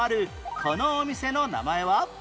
このお店の名前は？